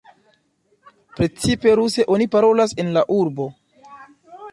Precipe ruse oni parolas en la urbo.